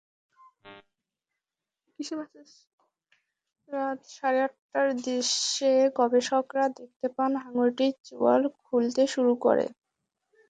রাত সাড়ে আটটার দৃশ্যে গবেষকেরা দেখতে পান, হাঙরটির চোয়াল খুলতে শুরু করে।